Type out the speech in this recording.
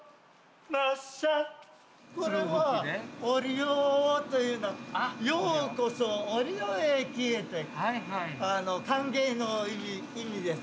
これは「折尾」というのは「ようこそ折尾駅へ」って歓迎の意味です。